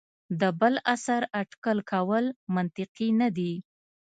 د بل عصر اټکل کول منطقي نه دي.